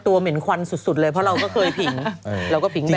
ตัวเหม็นควันสุดเลยเพราะเราก็เคยผิง